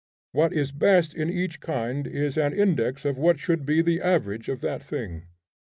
What is best in each kind is an index of what should be the average of that thing.